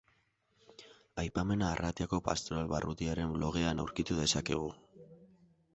Aipamena Arratiako Pastoral Barrutiaren blogean aurkitu dezakegu.